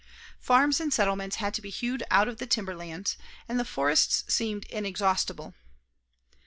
Farms and settlements had to be hewed out of the timberlands, and the forests seemed inexhaustible.